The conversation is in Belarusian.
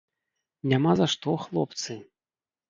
Няма за што, хлопцы!